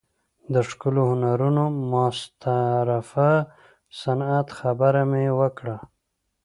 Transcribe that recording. د ښکلو هنرونو او مستطرفه صنعت خبره مې وکړه.